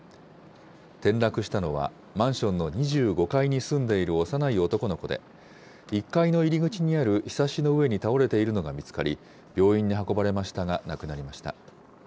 転落したのは、マンションの２５階に住んでいる幼い男の子で、１階の入り口にあるひさしの上に倒れているのが見つかり、病院に運ばれましたが、亡くなりました。